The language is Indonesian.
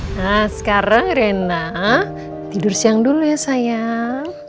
nah sekarang rena tidur siang dulu ya sayang